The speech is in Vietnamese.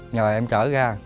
nhờ em chở ra